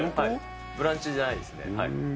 ブランチじゃないですね。